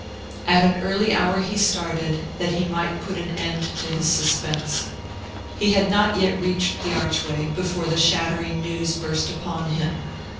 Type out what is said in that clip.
At an early hour he started, that he might put an end to his suspense. He had not yet reached the archway before the shattering news burst upon him.